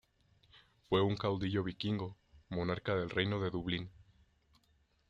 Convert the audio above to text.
Fue un caudillo vikingo, monarca del reino de Dublín.